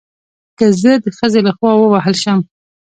که زه د خځې له خوا ووهل شم